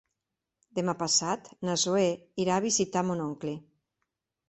Demà passat na Zoè irà a visitar mon oncle.